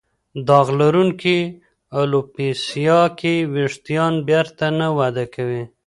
داغ لرونکې الوپیسیا کې وېښتان بېرته نه وده کوي.